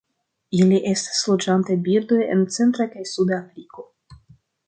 Ili estas loĝantaj birdoj en centra kaj suda Afriko.